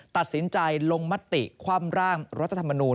ตัดสินใจลงมติคว่ำร่างรัฐธรรมนูล